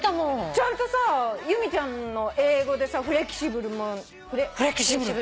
ちゃんとさ由美ちゃんの英語で「フレキシブル」も習ったし。